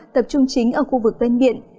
tập trung chính ở khu vực bên biển